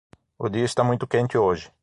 O dia está muito quente hoje.